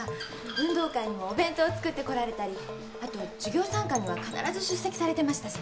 運動会にもお弁当を作ってこられたりあと授業参観には必ず出席されてましたし。